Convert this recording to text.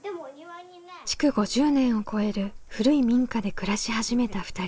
築５０年を超える古い民家で暮らし始めた２人。